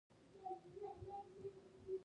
د نړیوالو بازارونو په لاسته راوړلو کې سیالي کېږي